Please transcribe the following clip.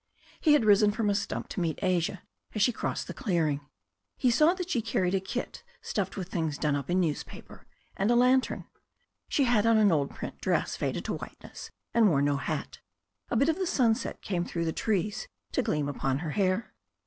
He had risen from a stump to meet Asia £is she crossed the clearing. He saw that she carried a kit stuffed with things done up in newspaper, «nd a lantern. She had on an old print dress faded to whiteness, and wore no hat. A bit of the sunset came through the trees to gleam upon her hair.